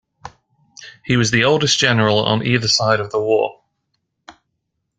He was the oldest general on either side of the war.